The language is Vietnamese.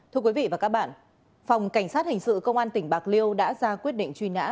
thưa quý vị và các bạn phòng cảnh sát hình sự công an tỉnh bạc liêu đã ra quyết định truy nã